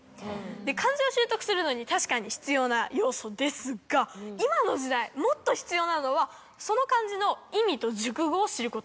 漢字を習得するのに確かに必要な要素ですが今の時代もっと必要なのはその漢字の意味と熟語を知ること。